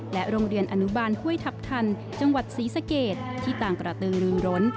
โรงเรียนอนุบาลห้วยทัพทันจังหวัดศรีสะเกดที่ต่างกระตือรึงร้น